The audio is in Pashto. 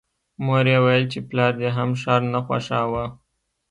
مور یې ویل چې پلار دې هم ښار نه خوښاوه